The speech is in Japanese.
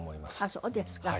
そうですか。